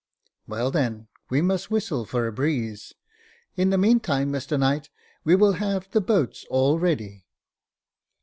" Well, then, we must whistle for a breeze. In the meantime, Mr Knight, we will have the boats all ready."